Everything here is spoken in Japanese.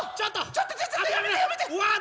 ちょっとやめてやめて！